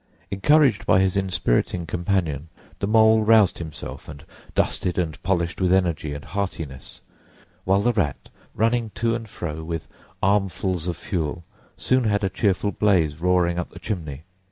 Encouraged by his inspiriting companion, the Mole roused himself and dusted and polished with energy and heartiness, while the Rat, running to and fro with armfuls of fuel, soon had a cheerful blaze roaring up the chimney.